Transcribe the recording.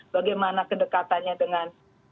bagaimana kedekatannya dengan